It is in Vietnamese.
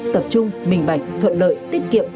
tập trung minh bạch thuận lợi tiết kiệm